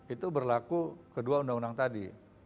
itu berlaku kedua undang undang tadi